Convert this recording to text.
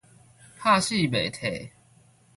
拍死袂退